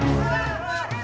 tepuk tangan tepuk tangan